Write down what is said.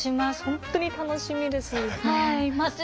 本当に楽しみです。